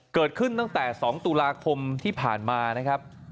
เกิดขึ้นตั้งแต่๒ตุลาคมที่ผ่านมานะครับ